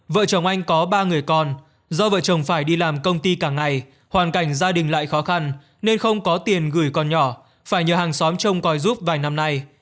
vợ chồng anh có ba người con do vợ chồng phải đi làm công ty cả ngày hoàn cảnh gia đình lại khó khăn nên không có tiền gửi còn nhỏ phải nhờ hàng xóm trông coi giúp vài năm nay